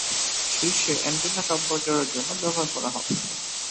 শীর্ষে অ্যান্টেনা সম্প্রচারের জন্য ব্যবহার করা হবে।